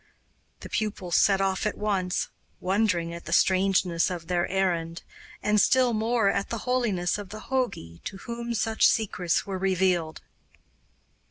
The pupils set off at once, wondering at the strangeness of their errand, and still more at the holiness of the jogi to whom such secrets were revealed.